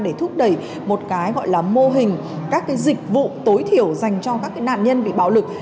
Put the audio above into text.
để thúc đẩy một cái gọi là mô hình các cái dịch vụ tối thiểu dành cho các nạn nhân bị bạo lực